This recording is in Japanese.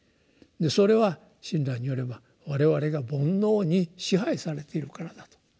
それは親鸞によれば我々が「煩悩」に支配されているからだと。